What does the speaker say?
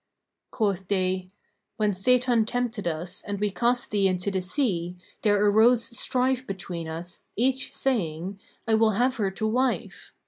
Quoth they, "When Satan tempted us and we cast thee into the sea, there arose strife between us, each saying, I will have her to wife.